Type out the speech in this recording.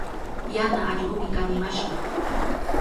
Yana allqumi kanimashqa.